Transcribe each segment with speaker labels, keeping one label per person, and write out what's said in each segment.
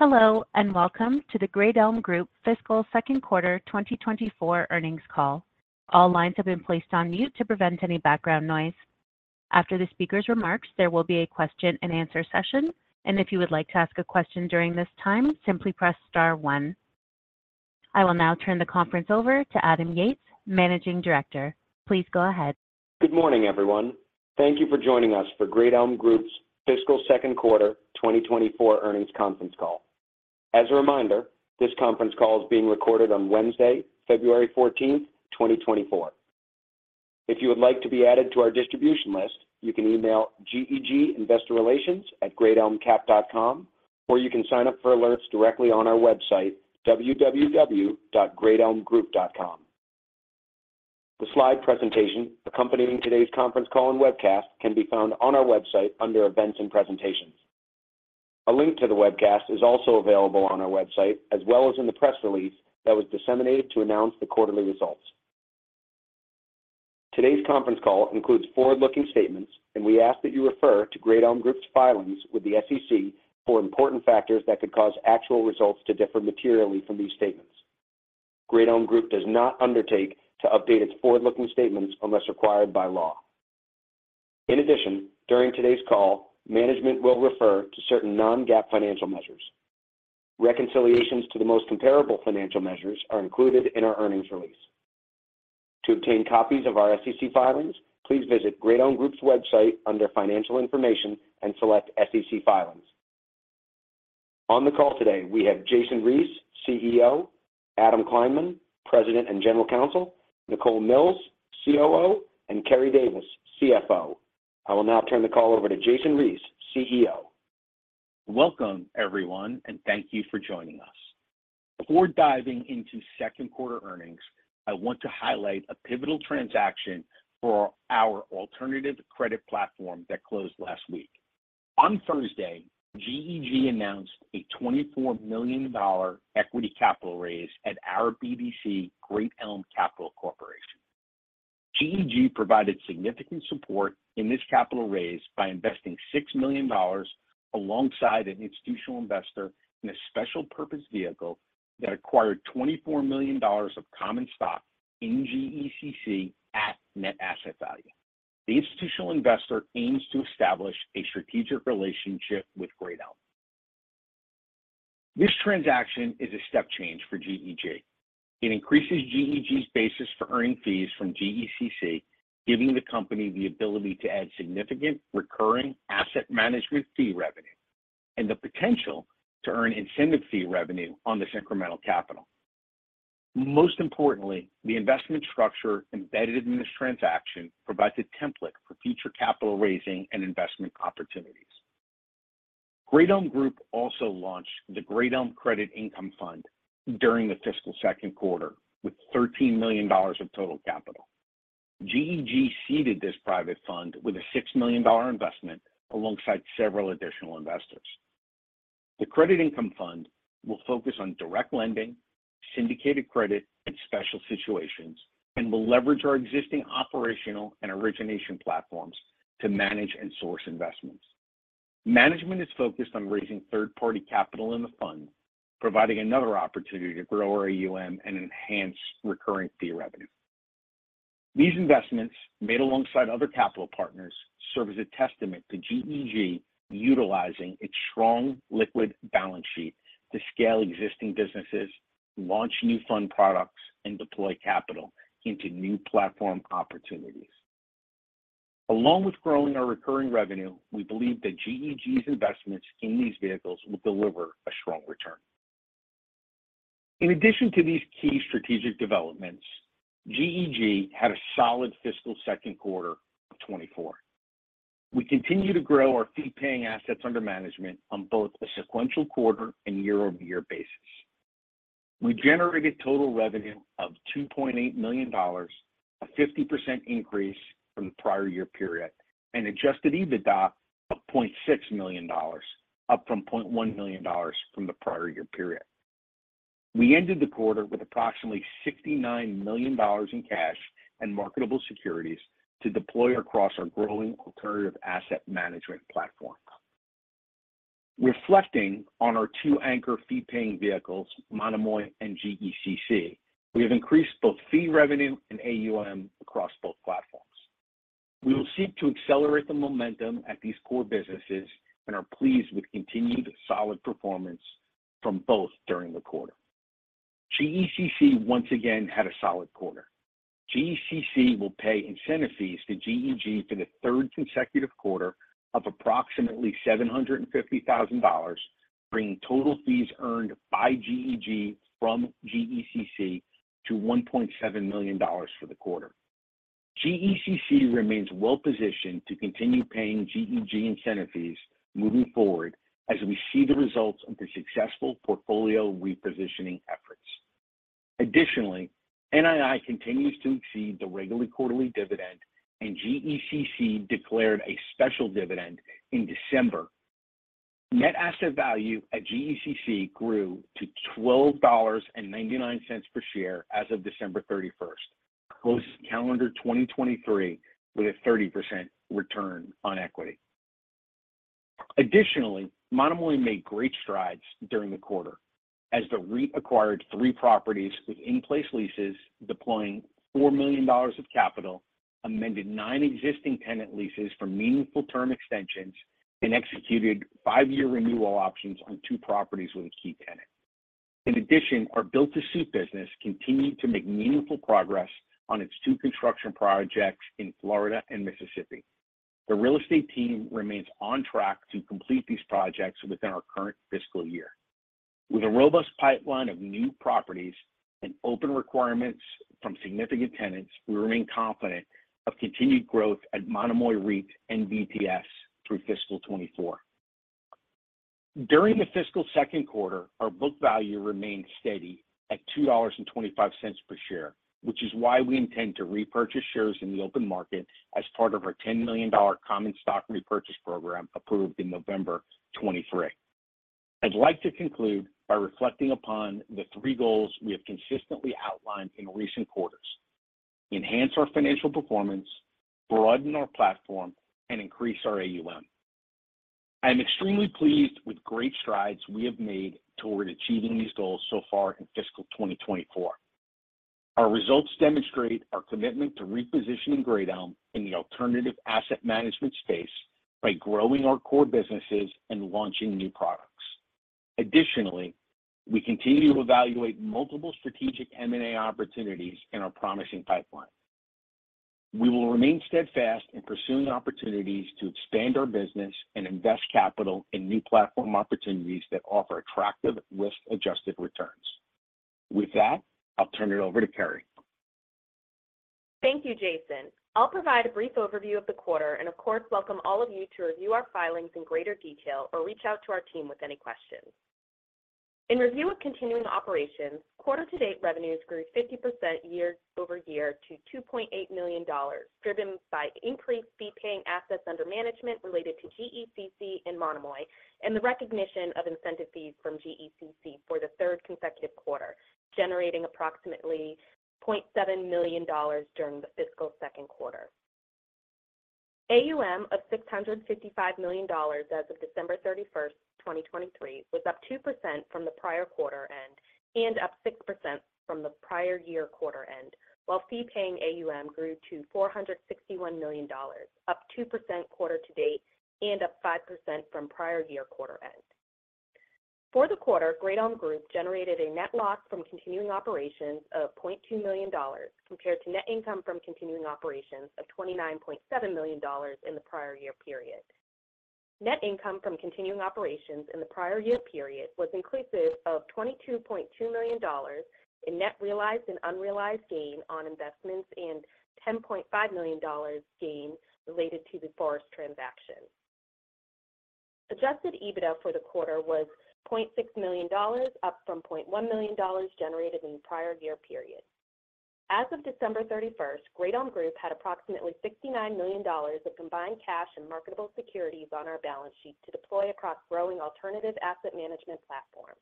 Speaker 1: Hello and welcome to the Great Elm Group fiscal second quarter 2024 earnings call. All lines have been placed on mute to prevent any background noise. After the speaker's remarks, there will be a question-and-answer session, and if you would like to ask a question during this time, simply press star one. I will now turn the conference over to Adam Yates, Managing Director. Please go ahead.
Speaker 2: Good morning, everyone. Thank you for joining us for Great Elm Group's fiscal second quarter 2024 earnings conference call. As a reminder, this conference call is being recorded on Wednesday, February 14, 2024. If you would like to be added to our distribution list, you can email GEG Investor Relations at greatelmcap.com, or you can sign up for alerts directly on our website, www.greatelmgroup.com. The slide presentation accompanying today's conference call and webcast can be found on our website under Events and Presentations. A link to the webcast is also available on our website as well as in the press release that was disseminated to announce the quarterly results. Today's conference call includes forward-looking statements, and we ask that you refer to Great Elm Group's filings with the SEC for important factors that could cause actual results to differ materially from these statements. Great Elm Group does not undertake to update its forward-looking statements unless required by law. In addition, during today's call, management will refer to certain non-GAAP financial measures. Reconciliations to the most comparable financial measures are included in our earnings release. To obtain copies of our SEC filings, please visit Great Elm Group's website under Financial Information and select SEC Filings. On the call today, we have Jason Reese, CEO; Adam Kleinman, President and General Counsel; Nichole Milz, COO; and Keri Davis, CFO. I will now turn the call over to Jason Reese, CEO.
Speaker 3: Welcome, everyone, and thank you for joining us. Before diving into second quarter earnings, I want to highlight a pivotal transaction for our alternative credit platform that closed last week. On Thursday, GEG announced a $24 million equity capital raise at our BDC Great Elm Capital Corp. GEG provided significant support in this capital raise by investing $6 million alongside an institutional investor in a special-purpose vehicle that acquired $24 million of common stock in GECC at net asset value. The institutional investor aims to establish a strategic relationship with Great Elm. This transaction is a step change for GEG. It increases GEG's basis for earning fees from GECC, giving the company the ability to add significant recurring asset management fee revenue and the potential to earn incentive fee revenue on this incremental capital. Most importantly, the investment structure embedded in this transaction provides a template for future capital raising and investment opportunities. Great Elm Group also launched the Great Elm Credit Income Fund during the fiscal second quarter with $13 million of total capital. GEG seeded this private fund with a $6 million investment alongside several additional investors. The credit income fund will focus on direct lending, syndicated credit, and special situations, and will leverage our existing operational and origination platforms to manage and source investments. Management is focused on raising third-party capital in the fund, providing another opportunity to grow our AUM and enhance recurring fee revenue. These investments, made alongside other capital partners, serve as a testament to GEG utilizing its strong liquid balance sheet to scale existing businesses, launch new fund products, and deploy capital into new platform opportunities. Along with growing our recurring revenue, we believe that GEG's investments in these vehicles will deliver a strong return. In addition to these key strategic developments, GEG had a solid fiscal second quarter of 2024. We continue to grow our fee-paying assets under management on both a sequential quarter and year-over-year basis. We generated total revenue of $2.8 million, a 50% increase from the prior year period, and Adjusted EBITDA of $0.6 million, up from $0.1 million from the prior year period. We ended the quarter with approximately $69 million in cash and marketable securities to deploy across our growing alternative asset management platform. Reflecting on our two anchor fee-paying vehicles, Monomoy and GECC, we have increased both fee revenue and AUM across both platforms. We will seek to accelerate the momentum at these core businesses and are pleased with continued solid performance from both during the quarter. GECC once again had a solid quarter. GECC will pay incentive fees to GEG for the third consecutive quarter of approximately $750,000, bringing total fees earned by GEG from GECC to $1.7 million for the quarter. GECC remains well-positioned to continue paying GEG incentive fees moving forward as we see the results of the successful portfolio repositioning efforts. Additionally, NII continues to exceed the regular quarterly dividend, and GECC declared a special dividend in December. Net asset value at GECC grew to $12.99 per share as of December 31st, closing calendar 2023 with a 30% return on equity. Additionally, Monomoy made great strides during the quarter as the REIT acquired three properties with in-place leases, deploying $4 million of capital, amended nine existing tenant leases for meaningful term extensions, and executed five-year renewal options on two properties with a key tenant. In addition, our Build-to-Suit business continued to make meaningful progress on its two construction projects in Florida and Mississippi. The real estate team remains on track to complete these projects within our current fiscal year. With a robust pipeline of new properties and open requirements from significant tenants, we remain confident of continued growth at Monomoy REIT and BTS through fiscal 2024. During the fiscal second quarter, our book value remained steady at $2.25 per share, which is why we intend to repurchase shares in the open market as part of our $10 million common stock repurchase program approved in November 2023. I'd like to conclude by reflecting upon the three goals we have consistently outlined in recent quarters: enhance our financial performance, broaden our platform, and increase our AUM. I am extremely pleased with great strides we have made toward achieving these goals so far in fiscal 2024. Our results demonstrate our commitment to repositioning Great Elm in the alternative asset management space by growing our core businesses and launching new products. Additionally, we continue to evaluate multiple strategic M&A opportunities in our promising pipeline. We will remain steadfast in pursuing opportunities to expand our business and invest capital in new platform opportunities that offer attractive risk-adjusted returns. With that, I'll turn it over to Keri.
Speaker 1: Thank you, Jason. I'll provide a brief overview of the quarter and, of course, welcome all of you to review our filings in greater detail or reach out to our team with any questions. In review of continuing operations, quarter-to-date revenues grew 50% year-over-year to $2.8 million, driven by increased fee-paying assets under management related to GECC and Monomoy and the recognition of incentive fees from GECC for the third consecutive quarter, generating approximately $0.7 million during the fiscal second quarter. AUM of $655 million as of December 31, 2023, was up 2% from the prior quarter end and up 6% from the prior year quarter end, while fee-paying AUM grew to $461 million, up 2% quarter-to-date and up 5% from prior year quarter end. For the quarter, Great Elm Group generated a net loss from continuing operations of $0.2 million compared to net income from continuing operations of $29.7 million in the prior year period. Net income from continuing operations in the prior year period was inclusive of $22.2 million in net realized and unrealized gain on investments and $10.5 million gain related to the Forest transaction. Adjusted EBITDA for the quarter was $0.6 million, up from $0.1 million generated in the prior year period. As of December 31, Great Elm Group had approximately $69 million of combined cash and marketable securities on our balance sheet to deploy across growing alternative asset management platforms.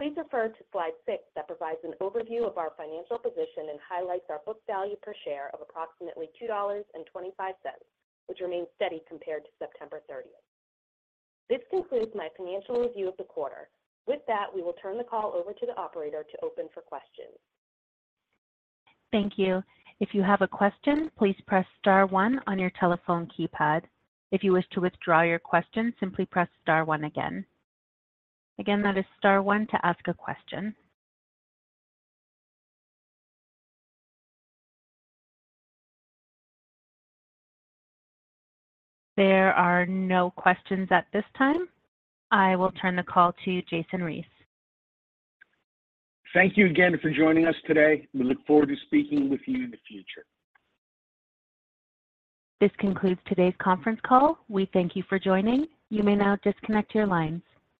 Speaker 1: Please refer to slide 6 that provides an overview of our financial position and highlights our book value per share of approximately $2.25, which remains steady compared to September 30. This concludes my financial review of the quarter. With that, we will turn the call over to the operator to open for questions.
Speaker 4: Thank you. If you have a question, please press star one on your telephone keypad. If you wish to withdraw your question, simply press star one again. Again, that is star one to ask a question. There are no questions at this time. I will turn the call to Jason Reese.
Speaker 3: Thank you again for joining us today. We look forward to speaking with you in the future.
Speaker 4: This concludes today's conference call. We thank you for joining. You may now disconnect your lines.